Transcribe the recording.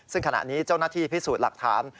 ซึ่งขณะนี้เจ้าหน้าที่พิสูจน์หลักฐาน